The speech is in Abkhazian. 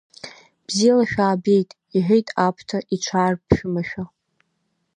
Бзиала шәаабеит, — иҳәеит Аԥҭа иҽаарԥшәымашәа.